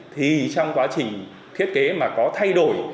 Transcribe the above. thì trong quá trình thiết kế mà có thay đổi